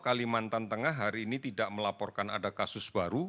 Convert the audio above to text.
kalimantan tengah hari ini tidak melaporkan ada kasus baru